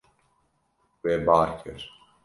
We bar kir.